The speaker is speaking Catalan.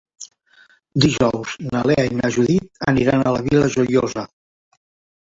Dijous na Lea i na Judit aniran a la Vila Joiosa.